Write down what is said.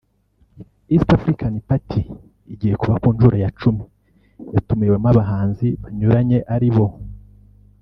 East African Party igiye kuba ku nshuro ya cumi yatumiwemo abahanzi banyuranye aribo